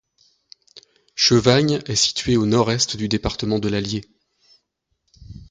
Chevagnes est située au nord-est du département de l'Allier.